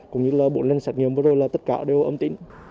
cũng như là bộ linh xét nghiệm vừa rồi là tất cả đều âm tĩnh